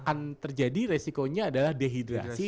yang terjadi resikonya adalah dehidrasi